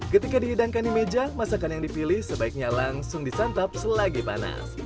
ketika dihidangkan di meja masakan yang dipilih sebaiknya langsung disantap selagi panas